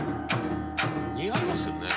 似合いますよね。